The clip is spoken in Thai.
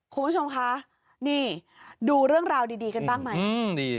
คุณผู้ชมคะนี่ดูเรื่องราวดีกันบ้างไหม